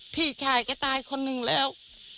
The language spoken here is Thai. พี่ชายแกตายคนหนึ่งแล้ว